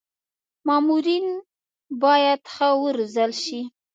مامورین باید ښه و روزل شي.